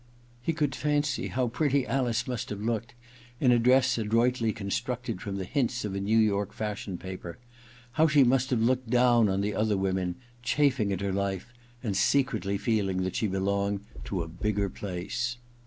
He could fancy how pretty Alice must have looked, in a dress adroitly constructed from the hints of a New York fashion paper, and how she must have looked down on the other women, chafing at her life, and secretly feeling that she belonged in a bigger place.